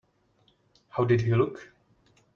How did he look?